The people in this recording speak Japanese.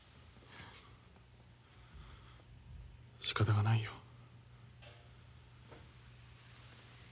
しかたがないよ。